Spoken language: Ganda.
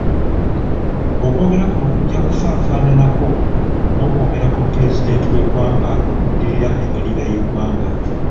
Okwogera kuno kujja kufaafananako n'okwogera kwa Pulezidenti w'eggwanga okuddirira embalirira y'eggwanga.